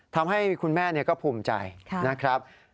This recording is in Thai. ทำให้คุณแม่ก็ภูมิใจนะครับ